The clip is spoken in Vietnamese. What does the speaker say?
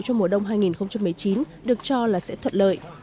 cho mùa đông hai nghìn một mươi chín được cho là sẽ thuật lợi